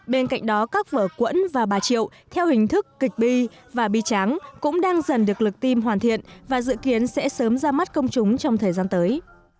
bên cạnh đó các vở quẫn và bà triệu theo hình thức kịch bi và bi tráng cũng đang dần được lực tim hoàn thiện và dự kiến sẽ sớm ra mắt công chúng trong thời gian tới